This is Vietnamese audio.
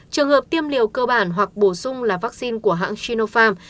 trường hợp tiêm liều cơ bản hoặc bổ sung là vaccine của hãng chinofarm